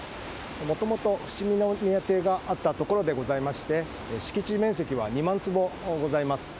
もともと伏見宮邸があった所でございまして、敷地面積は２万坪ございます。